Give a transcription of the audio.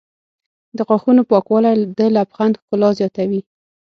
د غاښونو پاکوالی د لبخند ښکلا زیاتوي.